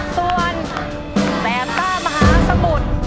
ส่วนแบบกล้ามหาสมุทร